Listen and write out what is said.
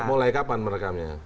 mulai kapan merekamnya